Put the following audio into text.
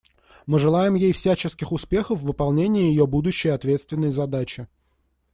Мы желаем ей всяческих успехов в выполнении ее будущей ответственной задачи.